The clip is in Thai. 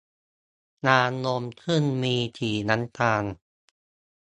ลานนมซึ่งมีสีน้ำตาล